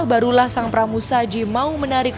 barulah sang pramu saji mau menarik